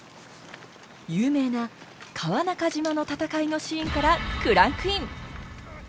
有名な川中島の戦いのシーンからクランクイン！